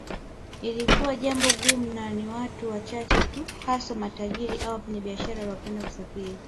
Lilikuwa jambo gumu na ni watu wachache tu hasa matajiri au wafanyabiashara waliopenda kusafiri